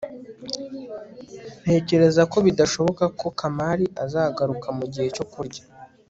ntekereza ko bidashoboka ko kamali azagaruka mugihe cyo kurya